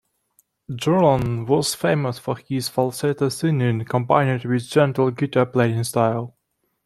Garland was famous for his falsetto singing combined with gentle guitar playing style.